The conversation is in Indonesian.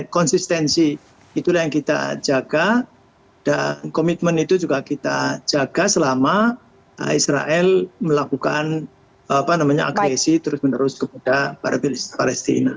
konsistensi itulah yang kita jaga dan komitmen itu juga kita jaga selama israel melakukan agresi terus menerus kepada para palestina